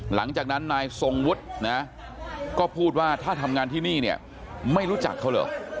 หลังจากนั้นนายทรงวุฒินะก็พูดว่าถ้าทำงานที่นี่เนี่ยไม่รู้จักเขาเหรอ